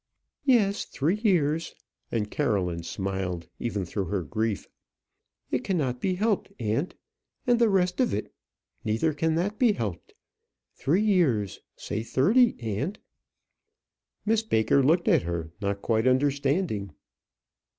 "Yes, three years!" and Caroline smiled, even through her grief. "It cannot be helped, aunt. And the rest of it; neither can that be helped. Three years! say thirty, aunt." Miss Baker looked at her, not quite understanding.